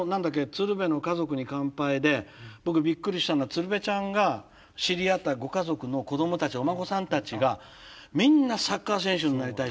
「鶴瓶の家族に乾杯」で僕びっくりしたのは鶴瓶ちゃんが知り合ったご家族の子どもたちお孫さんたちがみんな「サッカー選手になりたい。